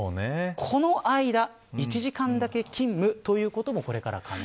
この間、１時間だけ勤務ということもこれからは可能。